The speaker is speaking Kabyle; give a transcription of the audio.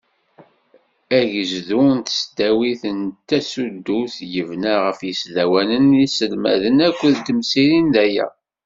Agezdu n tesdawit d tasudut, yebna ɣef yisdawen d yiselmaden akked temsirin daya.